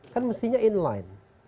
kan mestinya in line